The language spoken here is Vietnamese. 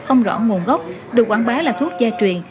không rõ nguồn gốc được quảng bá là thuốc gia truyền